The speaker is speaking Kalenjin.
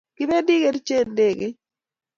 Kibendi Kericho eng ndegeit